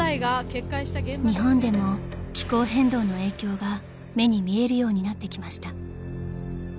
［日本でも気候変動の影響が目に見えるようになってきました］